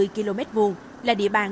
bốn trăm năm mươi km hai là địa bàn